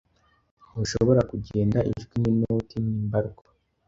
ntushobora kugenda Ijwi ninoti ni mbarwa